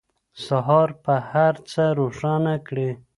سهار به هر څه روښانه کړي.